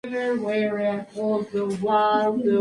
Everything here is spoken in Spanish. Está casado con Gilda Minaya Montaño y tiene dos hijos.